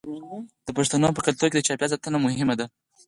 د پښتنو په کلتور کې د چاپیریال ساتنه مهمه ده.